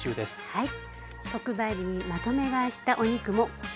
はい。